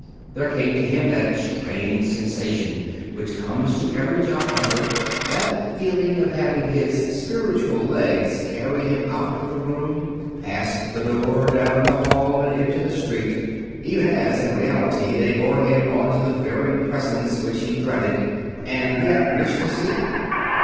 There came to him that strange sensation which comes to every job hunter; that feeling of having his spiritual legs carry him out of the room, past the door, down the hall and into the street, even as, in reality, they bore him on to the very presence which he dreaded and yet wished to see.